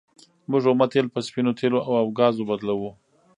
موږ اومه تیل په سپینو تیلو او ګازو بدلوو.